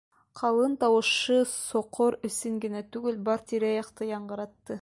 Ҡалын тауышы соҡор эсен генә түгел, бар тирә-яҡты яңғыратты.